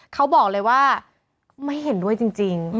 เขาบอกเลยว่าไม่เห็นด้วยจริง